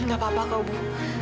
gak apa apa kalau bu